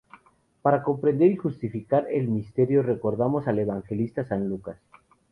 Para comprender y justificar el Misterio, recordemos al Evangelista San Lucas.